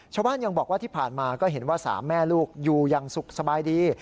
ชาวบ้านยังบอกว่าที่ผ่านมาก็เห็นว่า๓แม่ลูกอยู่อย่างสุขสบายดี